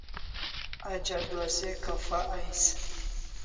Aj adua se kapha ais